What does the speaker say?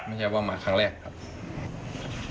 ไม่ใช่ว่ามาครั้งแรกครับ